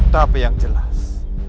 tapi yang jelas